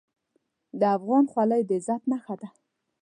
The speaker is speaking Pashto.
د افغان خولۍ د عزت نښه ده.